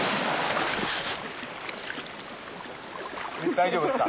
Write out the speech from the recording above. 大丈夫ですか？